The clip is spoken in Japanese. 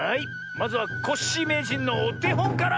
まずはコッシーめいじんのおてほんから。